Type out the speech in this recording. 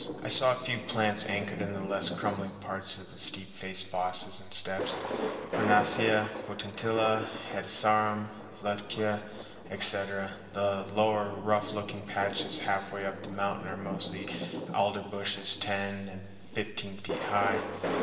I saw a few plants anchored in the less crumbling parts of the steep faced bosses and steps—parnassia, potentilla, hedysarum, lutkea, etc. The lower, rough looking patches half way up the mountain are mostly alder bushes ten or fifteen feet high.